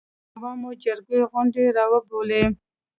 د عوامو جرګې غونډه راوبولي.